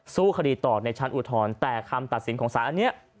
สู้คดีต่อในชั้นอุทธรณ์แต่คำตัดสินของสารอันนี้